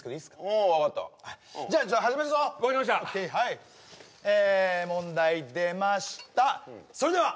ああ分かったじゃあ始めるぞ分かりましたはいえ問題出ましたそれでは！